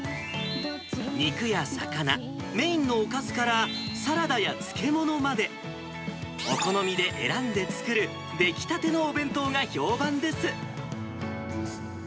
肉や魚、メインのおかずから、サラダや漬物まで、お好みで選んで作る出来たてのお弁当が評判です。